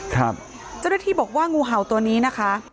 เจ้าหน้าที่บอกว่างูเห่าตัวนี้นะคะ